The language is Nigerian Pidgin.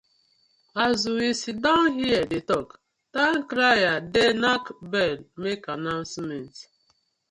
As we siddon here dey tok, towncrier dey nack bell mak annoucement.